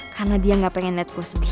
karena dia gak pengen liat gue sedih